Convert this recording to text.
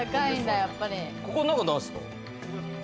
ここの中なんですか？